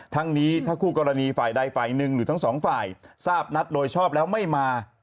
ทั้งนี้ถ้าคู่กรณีฝ่ายใดฝ่ายหนึ่งหรือทั้งสองฝ่ายทราบนัดโดยชอบแล้วไม่มา